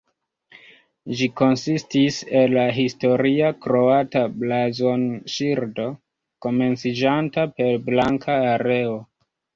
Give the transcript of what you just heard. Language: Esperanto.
Ĝi konsistis el la historia kroata blazonŝildo, komenciĝanta per blanka areo.